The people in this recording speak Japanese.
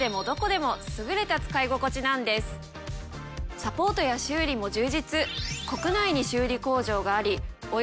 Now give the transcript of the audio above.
サポートや修理も充実。